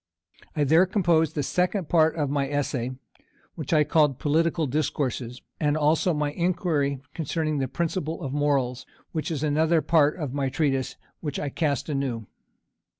I there composed the second part of my Essay, which I called Political Discourses, and also my Inquiry concerning the Principles of Morals, which is another part of my Treatise that I cast anew.